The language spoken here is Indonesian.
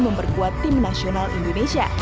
memperkuat timnasional indonesia